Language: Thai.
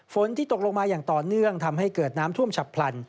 ฝนที่ตกลงมาอย่างต่อเนื่องทำให้เกิดน้ำท่วมฉับพลัน